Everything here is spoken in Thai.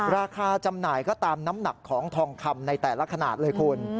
ราคาจำหน่ายก็ตามน้ำหนักของทองคำในแต่ละขนาดเลยคุณ